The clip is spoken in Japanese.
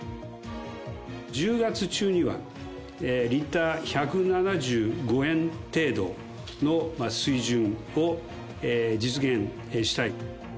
１０月中には、リッター１７５円程度の水準を実現したい。